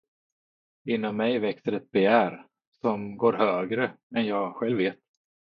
Inom mig växer ett begär, som går högre, än jag själv vet.